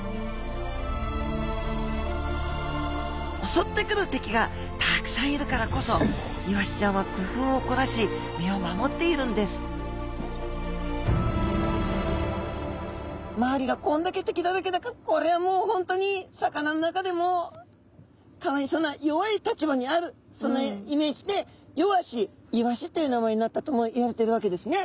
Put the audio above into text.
おそってくる敵がたくさんいるからこそイワシちゃんはくふうをこらし身を守っているんです周りがこんだけ敵だらけだからこれはもう本当に魚の中でもかわいそうな弱い立場にあるそんなイメージで弱し鰯っていう名前になったともいわれてるわけですね。